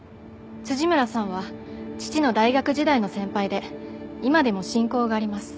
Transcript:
村さんは父の大学時代の先輩で今でも親交があります。